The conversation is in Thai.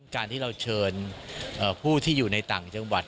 การที่เราเชิญผู้ที่อยู่ในต่างจังหวัด